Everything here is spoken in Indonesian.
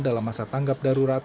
dalam masa tanggap darurat